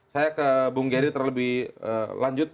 saya ke bung geri terlebih lanjut